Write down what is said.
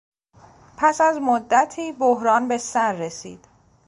پس از مدتی بحران به سر رسید.